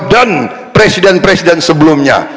dan presiden presiden sebelumnya